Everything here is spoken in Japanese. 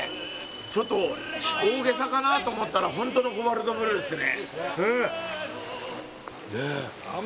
ちょっと大げさかなと思ったらホントのコバルトブルーっすね。